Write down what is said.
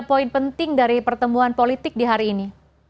apa yang penting dari pertemuan politik di hari ini